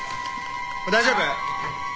大丈夫？